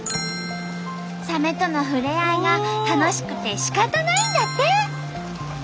サメとのふれあいが楽しくてしかたないんだって。